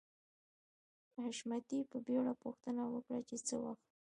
حشمتي په بېړه پوښتنه وکړه چې څه وخت